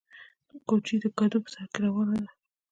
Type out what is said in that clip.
کوچۍ د کډو په سر کې روانه ده